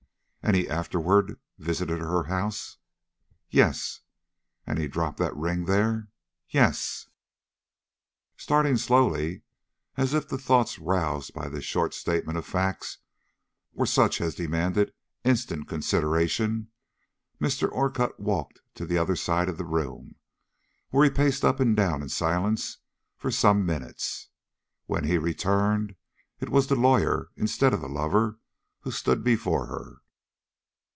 "And he afterward visited her house?" "Yes." "And dropped that ring there?" "Yes." Starting slowly, as if the thoughts roused by this short statement of facts were such as demanded instant consideration, Mr. Orcutt walked to the other side of the room, where he paced up and down in silence for some minutes. When he returned it was the lawyer instead of the lover who stood before her.